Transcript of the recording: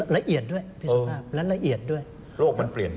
ละเอียดด้วยพี่สุภาพและละเอียดด้วย